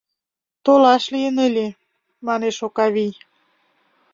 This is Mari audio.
— Толаш лийын ыле, — манеш Окавий.